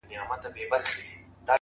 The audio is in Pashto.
ډېـــره شناخته مي په وجود كي ده’